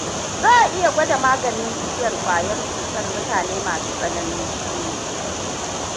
Za a iya gwada maganin jiyyan kwayan cutar mutane masu tsananin ciwo.